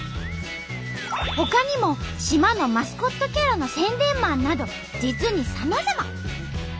ほかにも島のマスコットキャラの宣伝マンなど実にさまざま！